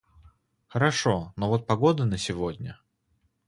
Хорошо, вот погода на сегодня